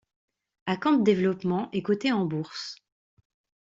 Acanthe Développement est coté en bourse.